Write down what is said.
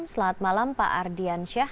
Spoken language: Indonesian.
selamat malam pak ardian syah